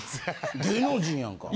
芸能人やんか。